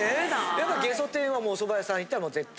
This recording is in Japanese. やっぱゲソ天はおそば屋さん行ったら絶対？